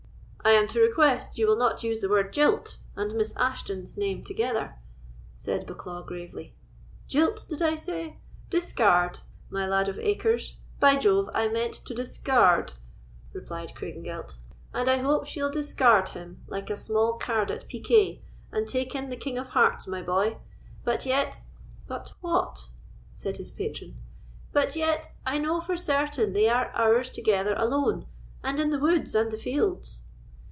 "I am to request you will not use the word 'jilt' and Miss Ashton's name together," said Bucklaw, gravely. "Jilt, did I say? Discard, my lad of acres—by Jove, I meant to discard," replied Craigengelt; "and I hope she'll discard him like a small card at piquet, and take in the king of hearts, my boy! But yet——" "But what?" said his patron. "But yet I know for certain they are hours together alone, and in the woods and the fields."